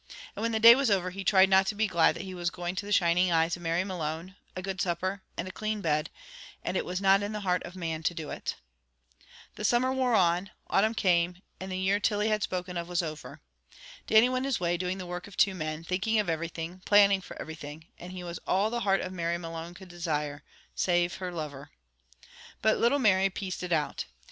And when the day was over, he tried not to be glad that he was going to the shining eyes of Mary Malone, a good supper, and a clean bed, and it was not in the heart of man to do it. The summer wore on, autumn came, and the year Tilly had spoken of was over. Dannie went his way, doing the work of two men, thinking of everything, planning for everything, and he was all the heart of Mary Malone could desire, save her lover. By little Mary pieced it out.